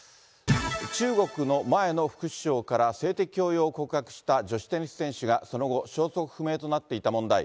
中国の前の副首相から、性的強要を告白した女子テニス選手がその後、消息不明となっていた問題。